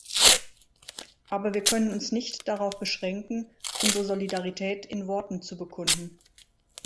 Aber wir können uns nicht darauf beschränken, unsere Solidarität in Worten zu bekunden.